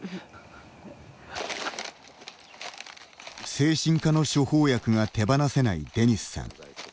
精神科の処方薬が手放せないデニスさん。